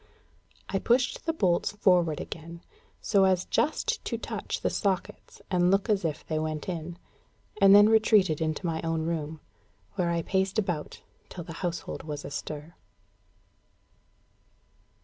I pushed the bolts forward again, so as just to touch the sockets and look as if they went in, and then retreated into my own room, where I paced about till the household was astir.